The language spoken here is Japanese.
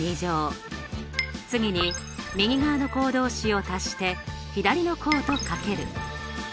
次に右側の項同士を足して左の項と掛ける。